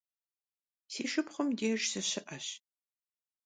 Si şşıpxhum dêjj sışı'eş.